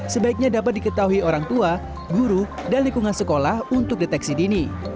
sebaiknya dapat diketahui orang tua guru dan lingkungan sekolah untuk deteksi dini